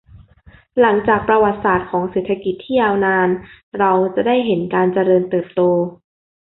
หลังจากประวัติศาสตร์ของเศรษฐกิจที่ยาวนาน เราจะได้เห็นการเจริญเติบโต